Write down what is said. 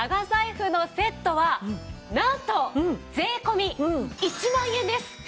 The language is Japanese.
財布のセットはなんと税込１万円です。